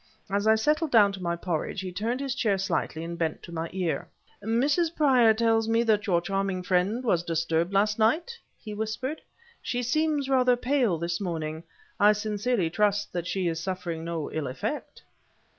As I settled down to my porridge, he turned his chair slightly and bent to my ear. "Mrs. Prior tells me that your charming friend was disturbed last night," he whispered. "She seems rather pale this morning; I sincerely trust that she is suffering no ill effect."